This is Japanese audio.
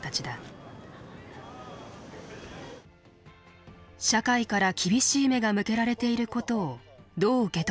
社会から厳しい目が向けられていることをどう受け止めているのか。